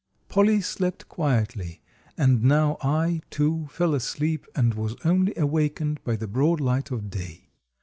Polly slept quietly, and now I, too, fell asleep, and was only awakened by the broad light of day.